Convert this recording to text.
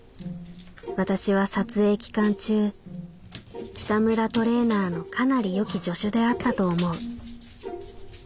「私は撮影期間中北村トレーナーのかなり良き助手であったと思う」。